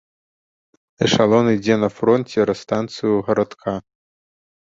Эшалон ідзе на фронт цераз станцыю гарадка.